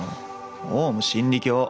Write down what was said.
オウム真理教。